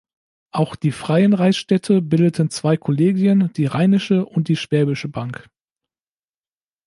Auch die Freien Reichsstädte bildeten zwei Kollegien, die rheinische und die schwäbische Bank.